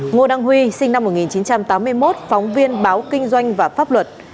ngô đăng huy sinh năm một nghìn chín trăm tám mươi một phóng viên báo kinh doanh và pháp luật